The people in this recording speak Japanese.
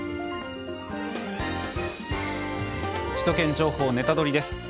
「首都圏情報ネタドリ！」です。